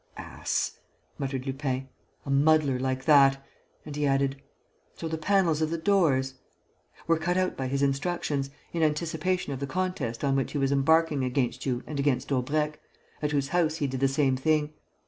"The ass!" muttered Lupin. "A muddler like that!" And he added, "So the panels of the doors...." "Were cut out by his instructions, in anticipation of the contest on which he was embarking against you and against Daubrecq, at whose house he did the same thing.